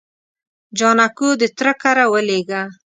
جانکو د تره کره ولېږه.